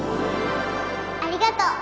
ありがとう。